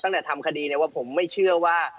ตั้งแต่ทำคดีว่าผมไม่เชื่อว่า